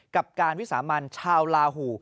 กับการวิสามันชาวลาหู